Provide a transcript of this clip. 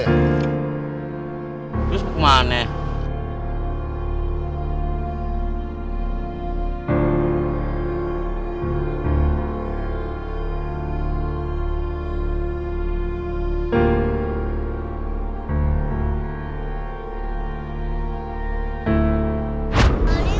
terus mau kemana